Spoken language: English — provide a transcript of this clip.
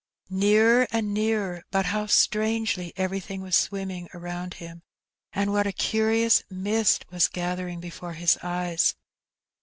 '' Nearer and nearer, but how strangely everything was swim ming around him, and what a curious mist was gathering before his eyes